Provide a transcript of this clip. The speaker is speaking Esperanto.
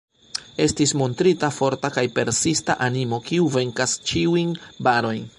Estis montrita forta kaj persista animo, kiu venkas ĉiujn barojn.